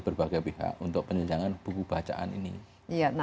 berbagai pihak untuk penjenjangan buku bacaan